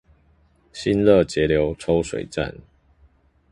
新樂截流抽水站